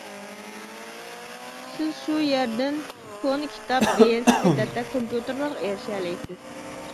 سىز شۇ يەردىن كونا كىتاب، ۋېلىسىپىت، ھەتتا كومپيۇتېرلارغا ئېرىشەلەيسىز.